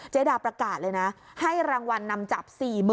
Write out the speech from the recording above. ดาประกาศเลยนะให้รางวัลนำจับ๔๐๐๐